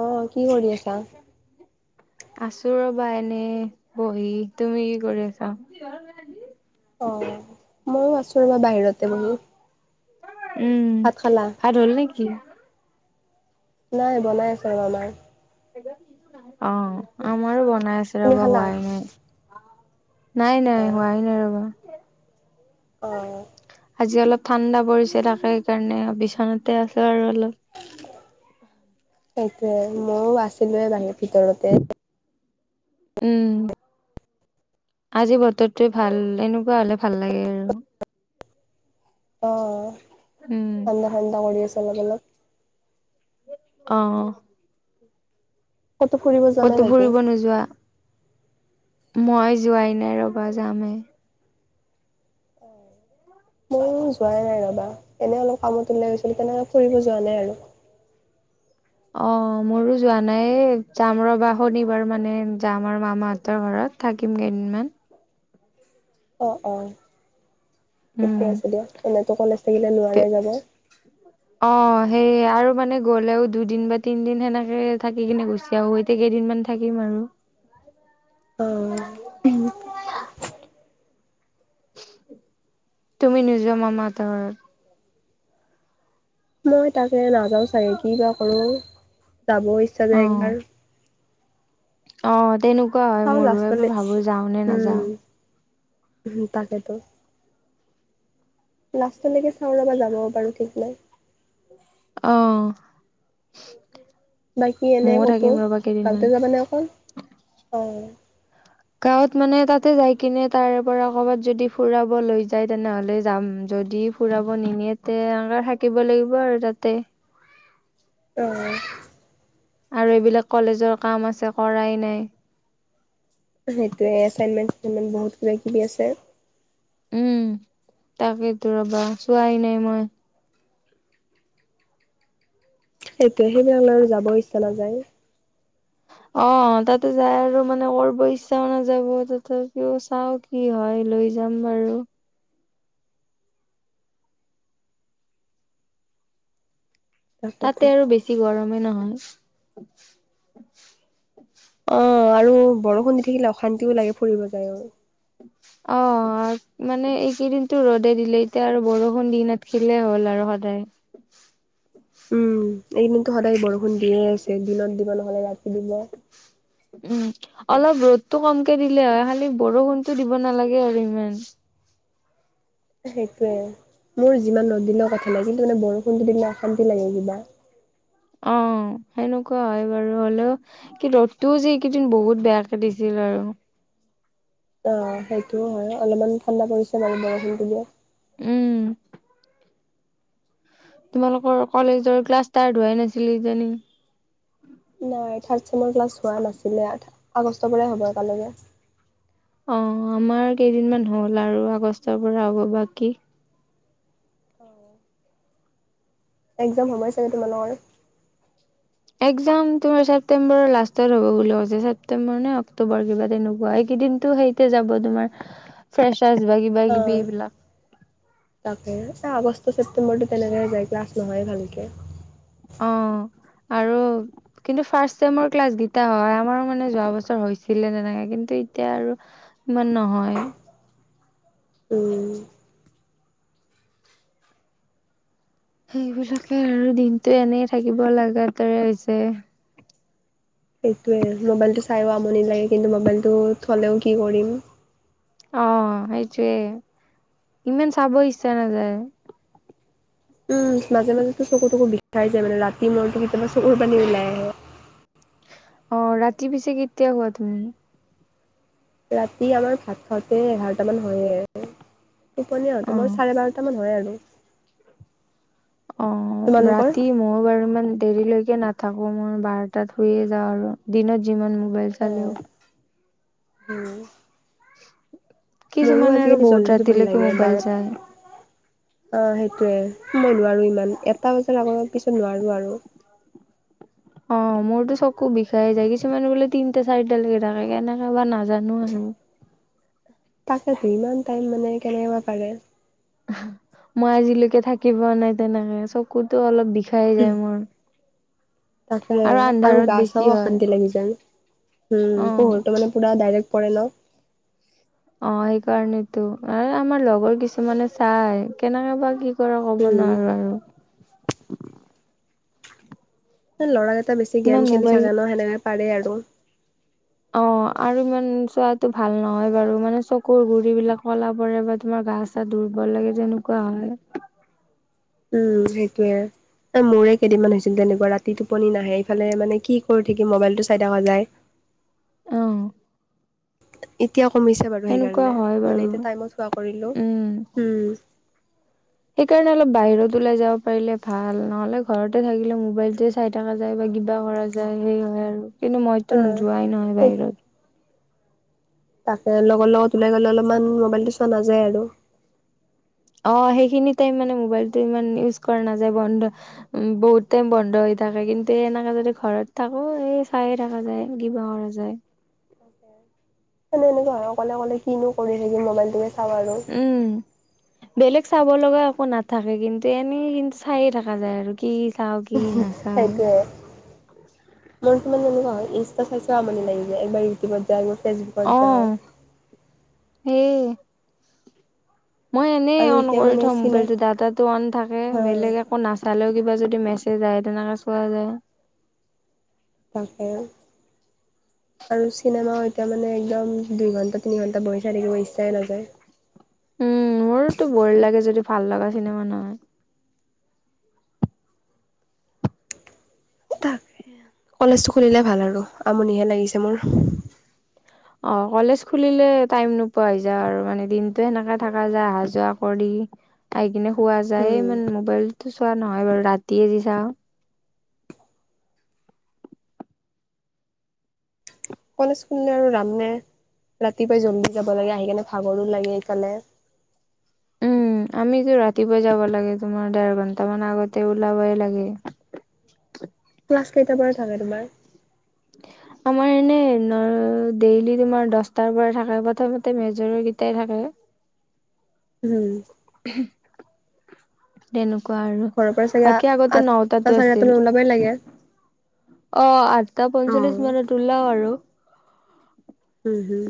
অ', কি কৰি আছা? আছোঁ ৰবা এনে বহি, তুমি কি কৰি আছা? অ', মইয়ো আছোঁ ৰবা বাহিৰত। উম, ভাত খালা ভাত হ'ল নেকি? নাই বনাই আছে আৰু আমাৰ। অ', আমাৰো বনাই আছে তুমি ৰবা খালা হোৱাই নাই। নাই-নাই অ হোৱাই নাই ৰবা। অ'। আজি অলপ ঠাণ্ডা পৰিছে, তাকে সেইকাৰণে বিচনাতে আছোঁ আৰু অলপ। সেইটোয়ে ময়ও আছিলোৱে বাহিৰত ভিতৰতে। উম। আজি বতৰটোৱে ভাল। এনেকুৱা হলে ভাল লাগে আৰু অ'। উম। ঠাণ্ডা-ঠাণ্ডা কৰি আছে অলপ-অলপ। অ'। কতো ফুৰিব যোৱা নাই কতো বাকী ফুৰিব নোযোৱা? মই যোৱাই নাই ৰ'বা যাম হে। মই যোৱাই নাই ৰবা, এনে অলপ কামত ওলাই গৈছিলোঁ, তেনেকে ফুৰিব যোৱা নাই আৰু। অ', মোৰো যোৱা নাই, এ যাম ৰবা শনিবাৰ মানে যাম আৰু মামাহঁতৰ ঘৰত। থাকিম কেইদিনমান। অ', অ', উম ঠিকে আছে দিয়া, এনেতো কলেজ থাকিলে নোৱাৰাই যাব। অ, সেইয়ে আৰু মানে গ'লেও দুদিন বা তিনদিন সেনেকে থাকি কিনে গুচি আহোঁ এই গোটেই কেইদিনমান থাকিম আৰু। অ আও। [unintelligible] তুমি নোযোৱা মামা হতৰ ঘৰত? মই তাকে নাযাও চাগে কি বা কৰো যাবও ইচ্ছা অ যায় একবাৰ। অ, তেনেকুৱা হয় চাও মোৰো লাষ্টলে এইবোৰ ভাবো যাও নে নাযাও। হম, তাকেটো। লাষ্টলৈকে চাওঁ ৰ'বা যাবও পাৰোঁ ঠিক নাই। অহ', বাকী এনে ক'তো গাঁওতে যাবানে অকল অ। গাঁৱত মানে তাতে যাই কিনে তাৰ পৰা ক'বাত যদি ফুৰাব লৈ যায় তেনেহলে যাম যদি ফুৰাব নিনিয়ে তে এনেকা থাকিব লাগিব আৰু তাতে। অ', আৰু এইবিলাক কলেজৰ কাম আছে কৰাই নাই। সেইটোৱে এছাইনমেণ্ট [unintelligible] বহুত কিবা- কিবি আছে। উম, তাকেইতো ৰবা চোৱাই নাই মই। একেহে [unintelligible] যাব ইচ্ছা নাযায়। অ, তাতে যায় আৰু মানে কৰব ইচ্ছাও নাযাব তথাপিও চাও কি হয় লৈ যাম বাৰু। তাকেতো। তাতে আৰু বেছি গৰমে নহয়। অ, আৰু বৰষুণ দি থাকিলে অশান্তিওঁ লাগে ফুৰিব যায়ও। অ', অ, মানে এইকেইদিনটো ৰ'দে দিলে এতিয়া আৰু বৰষুণ দি নাথকিলে হ'ল আৰু সদায়। উম, এইকেইদিনতো সদায় বৰষুণ দিয়ে আছে দিনত দিব নহলে ৰাতি দিব। উম, অলপ ৰ'দটো কমকে দিলে হয় খালি বৰষুণটো দিব নালাগে আৰু ইমান। সেইটোৱে মোৰ যিমান ৰ'দ দিলেও কথা নাই কিন্তু মানে বৰষুণটো দিলে অশান্তি লাগে কিবা। অ, সেনেকুৱা হয় বাৰু হ'লেও কি ৰ'দটো যি এইকেইদিন বহুত বেয়াকে দিছিল আৰু। অ, সেইটোও হয় অলপমান ঠাণ্ডা পৰিছে বাৰু বৰষুণটো দিয়াত। উম। তোমালোকৰ কলেজৰ ক্লাছ ষ্টাৰ্ট হোৱাই নাছিল কিজানি। নাই থাৰ্ড চেমৰ ক্লাছ হোৱা নাছিলে ইয়াত আগষ্টৰ পৰাই হ'ব একালাগে। অ, আমাৰ কেইদিনমান হ'ল আৰু আগষ্টৰ পৰা হ'ব বাকী। অ', একজাম হবই চাগে তোমালোকৰ? একজাম তোমাৰ ছেপ্তটম্বৰৰ লাষ্টত হ'ব বুলি কৈছে ছেপটেম্বৰ নে অক্টোবৰ কিবা তেনেকুৱা এইকেইদিনটো সেই কে যাব তোমাৰ ফ্ৰেছাৰ্ছ বা কিবা আ কিবি এইবিলাক তাকে এ আগষ্ট, ছেপ্তেম্বৰটো তেনেকে যায় ক্লাছ নহয় ভালকে। অ, আৰু কিন্তু ফাৰ্ষ্ট চেমৰ ক্লাছ গিটা হয় আমাৰো মানে যোৱা বছৰ হৈছিলে তেনেকে কিন্তু এতিয়া আৰু ইমান নহয়। উম। সেইবিলাকে আৰু দিনটো এনে থাকিব লাগা দৰে হৈছে। এইটোৱে আৰ মোবাইলটো চাইও আমনি লাগে কিন্তু মোবাইলটো থ'লেও কি কৰিম। অ, সেইটোৱে ইমান চাব ইচ্ছা নাযায়। উম মাজে মাজে তো চকু তকু বিষাই যায় মানে ৰাতি মোৰ কেতিয়াবা চকুৰ পানী ওলাই আহে। অ ৰাতি পিছে কেতিয়া শুৱা তুমি? ৰাতি আমাৰ ভাত খাওঁতে এঘাৰটা মান হয়ে আৰু টোপনী অ আহোতে মই চাৰে বাৰত কিটামান হয় আৰু। অ, তোমালোকৰ? ৰাতি মইও বাৰু ইমান দেৰিলৈকে নাথাকো মই বাৰতাত শুইয়ে যাওঁ আৰু দিনত যিমান মোবাইল চালেও অহ, উম। মোৰো কিছুমানে আৰু আজিকালি বহুত জল্দি টোপনি ৰাতিলৈকে লাগে মোবাইল বাৰ চাই [unintelligible] অ সেইটোয়ে, মই নোৱাৰো ইমান এটা বজাৰ আগত পিছত নোৱাৰো আৰু। অ মোৰতো চকু বিষাই যায় কিছুমানে বোলে তিনটা চাৰিটালৈকে থাকে কেনেকে বা নাজানো আৰু। তাকে ইমান টাইম মানে কেনেকে বা পাৰে? মই আজিলৈকে থাকি পোৱা নাই তেনেকে, চক- কুটো অলপ বিষাই যায় মোৰ। তাকে আৰু আন্ধাৰত গা চাও বেছি হয় অশান্তি লাগি যায়, উম অ পোহৰতটো মানে পুৰা ডাইৰেক্ট পৰে ন। অ সেইকাৰণেতো অ আমাৰ লগৰ কিছুমানে চাই কেনেকে বা কি কৰ ক'ব নোৱাৰো উম আৰু। ল'ৰা কেইটা বেছি গেম ইমান খেলি মোবাইল থাকে ন সেনেকে পাৰে আৰু। অ। আৰু ইমান চোৱাটো ভাল নহয় বাৰু মানে চকুৰ গুৰি বিলাক কলা পৰে বা তোমাৰ গাছ- দুৰ্বল লাগে যে এনুকা হয়। উম সেইটোয়ে। এ মোৰে কেইদিনমান হৈছিল তেনুকা ৰাতি টোপনি নাহে এইফালে মানে কি কৰি থাকি মোবাইল টো চাই থকা যায়। অহ। এতিয়া কমিছে বাৰু সেইকাৰণে হয় মানে বাৰু এতিয়া টাইমত শুৱা কৰিলো। উম উম সেইকাৰণে অলপ বাহিৰত ওলাই যাব পাৰিলে ভাল নহলে ঘৰতে থাকিলে মোবাইলটোচ চাই থকা যায় বা কিবা কৰা যায় সেই হয় আৰু কিন্তু মইতো উম যোৱাই নহয় অ বাহিৰত। তাকে লগৰ লগত ওলাই গ'লে অলপমান মোবাইলটো চোৱা নাযায় আৰু। অ সেইখিনি টাইম মানে মোবাইলটো ইমান ইউজ কৰা নাযায় বন্ধ উম বহুত টাইম বন্ধ হৈ থাকে কিন্তু এনেকা যদি ঘৰত থাকো এ চাই থাকা যায় কিবা কৰা যায়। [unintelligible] মানে এনুকা হয় অকলে অকলে কিনো কৰি থাকি মোবাইলটোৱে চাওঁ আৰু। উম। বেলেগ চাব লগা একো নাথাকে কিন্তু এনেই কিন্তু চায়ে থাকা যায় আৰু কি চাও কি নাচাও মোৰটো মানে এনেকুৱা হয় ইনষ্টা চাই চাই আমনি লাগি যায়, এবাৰ ইউটিউবত যাও বা ফেচবুক। অ সে। মই এনেই আৰু অন এতিয়া কৰি মানে থওঁ চিনা মোবাইলটো ডাটাটো অন থাকে হা বেলেগ একো নাচ- চালেও কিবা যদি মেছেজ আহে তেনেকা চোৱা যায়। তাকে আৰু চিনেমাও এতিয়া মানে একদম দুই ঘণ্টা তিনি ঘণ্টা বহি চাই থাকিব ইচ্ছাই নাযায়। উম মোৰোতো বৌৰ লাগে যদি ভাল লাগা চিনেমা নাই। কলেজ খুলিলে ভাল হব আমনিহে লাগিছে মোৰ। অ কলেজ খুলিলে টাইম নোপোৱা হৈ যায় আৰু মানে দিনটো সেনেকা থাকা যায় আহা যোৱা কৰি। আহি কিনে শুৱা যায় উম ইমান মোবাইলতো চোৱা নহয় বাৰু ৰাতিয়ে যি চাওঁ। কলেজ খুলিলে আৰু ৰাম নে, ৰাতিপুৱাই জল্দি যাব লাগে আহি কেনে ভাগৰো লাগে এইকানে। উম আমিতো ৰাতিপুৱা যাব লাগে তোমাৰ দেৰ ঘন্টা মানৰ আগতে ওলাবই লাগে। ক্লাছ কেইটাৰ পৰা থাকে তোমাৰ। [inaudible] আমাৰ এনে ন ডেইলি তোমাৰ দশটাৰ পৰা থাকে প্ৰথমতে মেজৰ কেইটাই থাকে। উম। [unintelligible] তেনেকুৱা আৰু ঘৰৰ বাকী আগতে নটাতো আছিল। সময় লাগে। অ আঠটা পঞ্চল্লিশ অ', মানত ওলাও আৰু। উম হুম।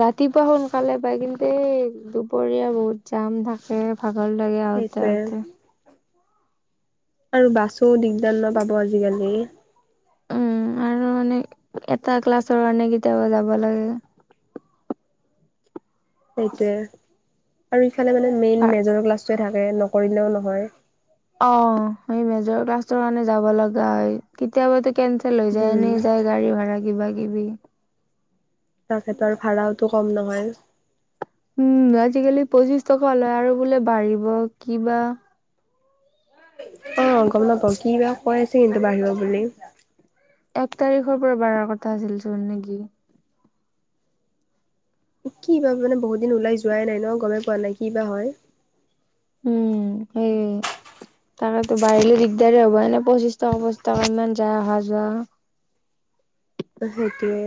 ৰাতিপুৱা সোনকালে পায় কিন্তু এই দুপৰীয়া বহুত জাম থাকে। ভাগৰ লাগে সেইটোৱে আহোঁতে-আহোঁতে। আৰু বাছো দিগদাৰ ন পাব আজিকালি। উম আৰু মানে এটা ক্লাছৰ কাৰণে কেতিয়াবা যাব লাগে। সেইটোয়ে। আৰু ইফালে মানে মেইন মেজৰ ক্লাছটোৱে থাকে নকৰিলেও নহয়। অ' সেই মেজৰ ক্লাছৰ কাৰণে যাব লগা হয়। কেতিয়াবাটো কে লৈ যায় এনে হম। যায় গাড়ী ভাড়া কিবা-কিবি। তেখেতৰ ভাৰাওটো কম নহয়। উম, আজিকালি পঁচিশ টকা লয় আৰু বোলে বাঢ়িব কিবা অ' গম নাপাও কিবা কৈ আছে কিন্তু বাঢ়িব বুলি। এক তাৰিখৰ পৰা বাৰাৰ কথা আছিল চোন নেকি? কি বা মানে বহুত দিন ওলাই যোৱাই নাই ন গমেই পোৱা নাই কি বা হয়। উম, সেই তাকেতো বাঢ়িলে দিগদাৰে হ'ব এনে পঁচিশ টকা-পঁচিশ টকা ইমান যায় অহা-যোৱা। সেইটোয়ে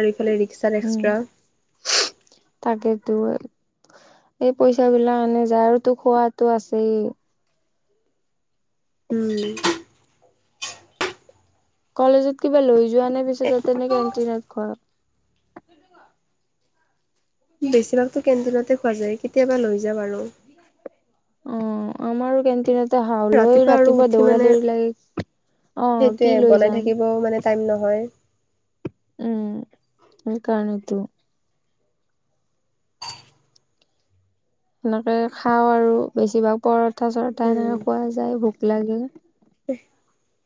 আৰু ইফালে ৰিক্সাত এক্সট্ৰা। তাকেটো। এই পইচা বিলাক আনে যায় আৰু তো খোৱাতো আছেই। উম। কলেজত কিবা লৈ যোৱা নে পিছে এ তাতে নে কেণ্টিনত খোৱা? বেছিভাগতো কেণ্টিনতে খোৱা যায়, কেতিয়াবা লৈ যাম আৰু। অ', আমাৰো কেণ্টিনত হাও লৈ আৰু ৰাতিপুৱা উঠি দৌৰা মানে দৌৰি লাগে, অ', সেইটোৱে কি লৈ বনাই যাম? থাকিব মানে টাইম নহয়। উম, সেইকাৰণেতো। সেনেকে খাওঁ আৰু বেছিভাগ পৰঠা-চৰঠা উম এনেকৈ খোৱা যায় ভোক লাগে।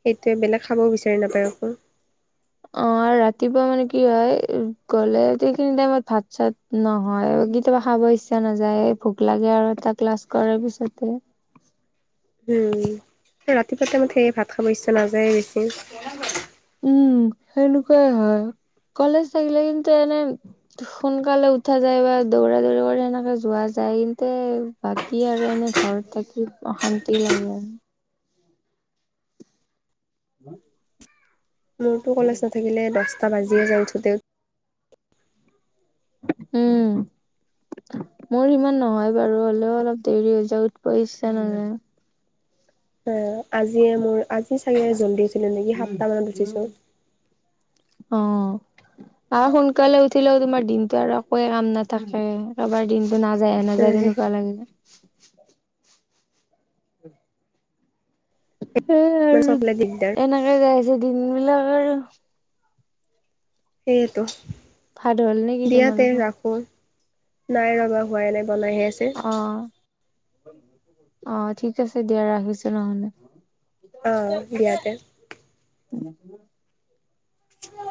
সেইটোৱে বেলেগ খাবও বিচাৰি নাপায় আক। অ' আৰু ৰাতিপুৱা মানে কি হয়, গ'লে সেইখিনি টাইমত ভাত-চাত নহয় কেতিয়াবা খাব ইচ্ছা নাযায়। ভোক লাগে আৰু এটা ক্লাছ কৰাৰ পিছতে। উম, হে ৰাতিপুৱা টাইমত সেই ভাত খাব ইচ্ছা নাযায়ে বেছি। উম, সেনেকুৱাই হয়। কলেজ থাকিলে কিন্তু এনে সোনকালে উঠা যায় বা দৌৰা-দৌৰি কৰি সেনেকে যোৱা যায় [unintelligible] বাকী আৰু এনে ঘৰত থাকি অশান্তি লাগে। [inaudible] মোৰতো কলেজ নাথাকিলে দহটা বাজিয়ে যায় উঠোতে উম। মোৰ ইমান নহয় বাৰু হ'লেও অলপ দেৰি হৈ যায় উঠবা ইচ্ছা নাযায়। অ' আজিয়ে মোৰ আজি চাগে জল্দি আছিলে নেকি সাতটা মানত উঠিছোঁ। অ'। আৰু সোনকালে উঠিলেও তোমাৰ দিনতটো আৰু একোৱ কাম নাথাকে, কাৰবাৰ দিন টো নাযায়-নাযায় তেনেকুৱা লাগে। সেই মানে আৰু চবফালে দিগদাৰ এনেকে যায় আছে দিন বিলাক আৰু। সেইয়েতো, ভাত হ'ল নেকি দিয়া তে তোমালোকৰ? ৰাখোঁ। নাই ৰবা হোৱাই নাই বনাইহে আছে। অঁ অঁ, ঠিক আছে দিয়া ৰাখিছো নহলে। অ তোমাৰ লোকৰ দিয়া তে ওচৰতে। [unintelligible] উম